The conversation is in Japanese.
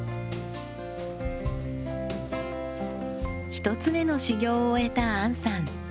１つ目の修業を終えた杏さん。